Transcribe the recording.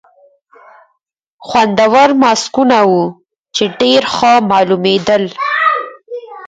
خوندور ماسکونه وو، چې ډېر ښه معلومېدل.